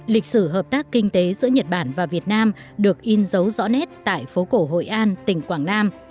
lịch sử hợp tác kinh tế giữa nhật bản và việt nam được in dấu rõ nét tại phố cổ hội an tỉnh quảng nam